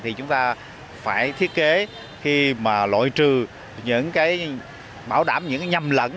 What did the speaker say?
thì chúng ta phải thiết kế khi mà lội trừ những cái bảo đảm những cái nhầm lẫn